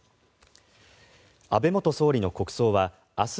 安倍元総理の国葬は明日